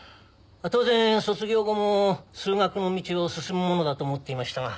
当然卒業後も数学の道を進むものだと思っていましたが。